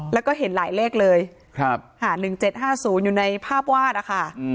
แล้วก็เห็นหลายเลขเลย๑๗๕๐อยู่ในภาพวาดอะค่ะ